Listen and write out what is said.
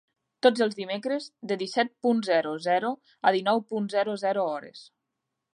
Tots els dimecres, de disset punt zero zero a dinou punt zero zero hores.